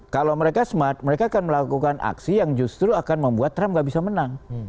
kalau mereka smart mereka akan melakukan aksi yang justru akan membuat trump nggak bisa menang